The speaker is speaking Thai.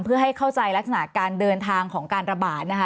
เพื่อให้เข้าใจลักษณะการเดินทางของการระบาดนะคะ